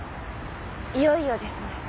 いよいよですね。